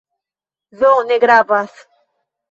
Do, ne gravas."